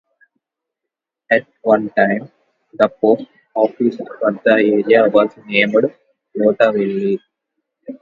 At one time, the post office for the area was named Lottaville.